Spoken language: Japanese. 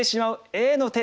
Ａの手。